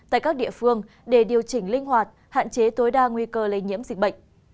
tại các địa phương để điều chỉnh linh hoạt hạn chế tối đa nguy cơ lây nhiễm dịch bệnh